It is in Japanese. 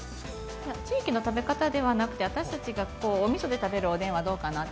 地域の食べ方ではなくて、私たちがお味噌で食べるおでんはどうかなと。